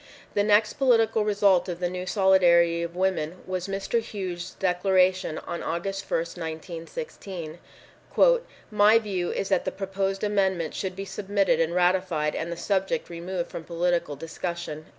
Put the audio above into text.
The next political result of the new solidarity of women was Mr. Hughes' declaration on August 1st, 1916: "My view is that the proposed amendment should be submitted and ratified and the subject removed from political discussion."